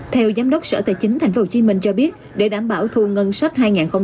theo giám đốc sở tài chính thành phố hồ chí minh cho biết để đảm bảo thu ngân sách hai nghìn hai mươi hai